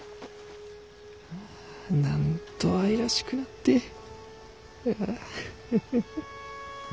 なんと愛らしくなってハハハ。